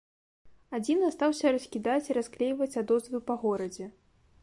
Адзін астаўся раскідаць і расклейваць адозвы па горадзе.